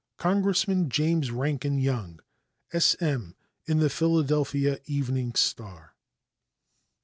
Congressman James Rankin Young (S. M., in the Philadelphia Evening Star).